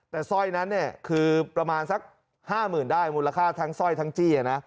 แต่ซ่อยนั้นคือประมาณสัก๕๐๐๐๐บาทมูลค่าทั้งซ่อยทั้งจี้